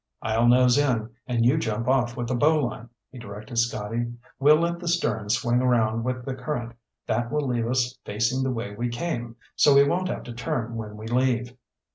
"I'll nose in, and you jump off with a bowline," he directed Scotty. "We'll let the stern swing around with the current. That will leave us facing the way we came, so we won't have to turn when we leave."